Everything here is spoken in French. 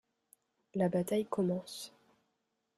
La bataille commence